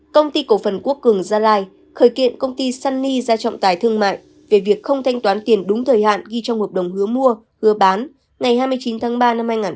công ty cổ phần quốc cường gia lai khởi kiện công ty sunny ra trọng tài thương mại về việc không thanh toán tiền đúng thời hạn ghi trong hợp đồng hứa mua hứa bán ngày hai mươi chín tháng ba năm hai nghìn hai mươi